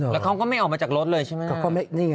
แล้วเขาก็ไม่ออกมาจากรถเลยใช่ไหม